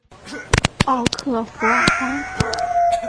奥克弗尔当。